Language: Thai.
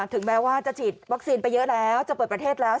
ถึงแม้ว่าจะฉีดวัคซีนไปเยอะแล้วจะเปิดประเทศแล้ว